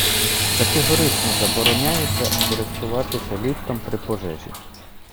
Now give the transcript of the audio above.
Категорично забороняється користуватися ліфтом при пожежі!